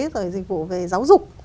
rồi dịch vụ về giáo dục